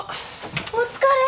お疲れ。